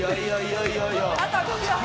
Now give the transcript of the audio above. あと５秒。